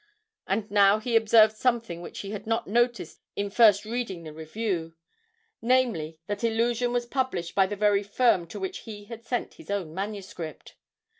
And now he observed something which he had not noticed in first reading the Review namely, that 'Illusion' was published by the very firm to which he had sent his own manuscript.